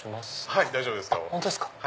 はい大丈夫ですよ。